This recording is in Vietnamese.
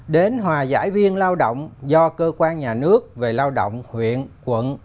đến hòa giải viên lao động do cơ quan nhà nước về lao động huyện quận